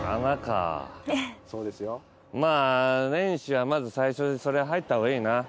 まあ年始はまず最初にそれ入った方がいいな。